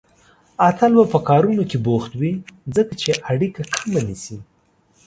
اتل به په کارونو کې بوخت وي، ځکه چې اړيکه کمه نيسي.